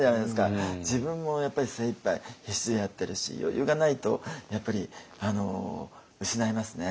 自分もやっぱり精いっぱい必死でやってるし余裕がないとやっぱり失いますね。